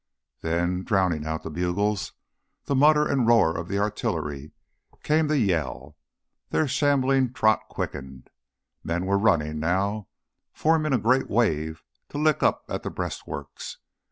Then, drowning out the bugles, the mutter and roar of the artillery, came the Yell. Their shambling trot quickened. Men were running now, forming a great wave to lick up at the breastworks.